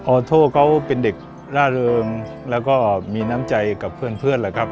ออโตเป็นเด็กร่าเริงและมีน้ำใจของเพื่อน